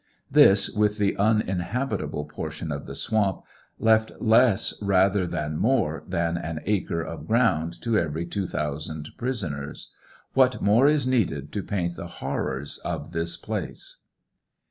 This, with the uninhab itable portion of the swamp, left less rather than more than an acre of ground to every 2,000 prisoners. What moi e is needed to paint the horrors of this place